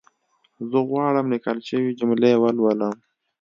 زه غواړم ليکل شوې جملي ولولم